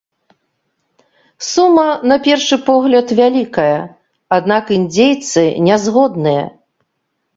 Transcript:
Сума, на першы погляд, вялікая, аднак індзейцы не згодныя.